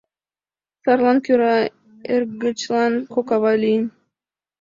Сарлан кӧра эргычлан кок ава лийын.